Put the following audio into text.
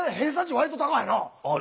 割と高いなあ。